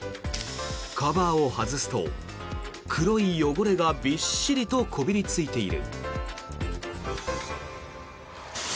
カバーを外すと、黒い汚れがびっしりとこびりついている。